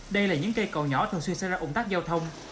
đây là những cây cầu nhỏ thường xuyên xây ra ủng tắc giao thông